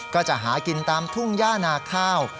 ก็จะหากินตามทุ่งย่านาข้าว